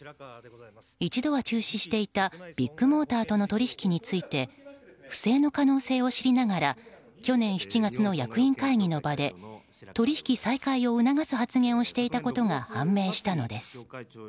一度は中止していたビッグモーターとの取引について不正の可能性を知りながら去年７月の役員会議の場で取引再開を促す発言をしていたことが判明したのです。